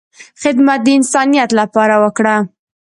خدمت د انسانیت لپاره وکړه،